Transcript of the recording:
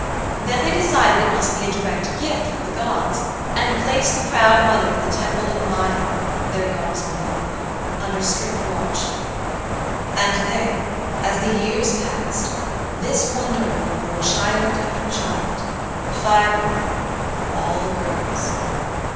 Then they decided it must be a direct gift from the gods, and placed the proud mother in the Temple of Maaia their Goddess of Motherhood under strict watch. And there, as years passed, this wonder woman bore child after child, five of them all girls.